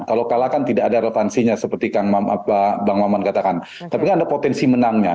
kalau kalahkan tidak ada revansinya seperti bang maman katakan tapi kan ada potensi menangnya